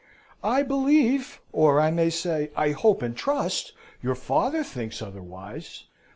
"I believe, or I may say, I hope and trust, your father thinks otherwise.